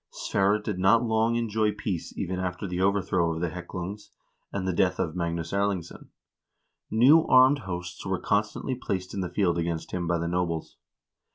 Sverre did not long enjoy peace even after the overthrow of the Heklungs, and the death of Magnus Erlingsson. New armed hosts were constantly placed in the field against him by the nobles.